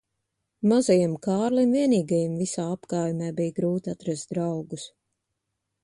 Mazajam Kārlim vienīgajam visā apkaimē bija grūti atrast draugus.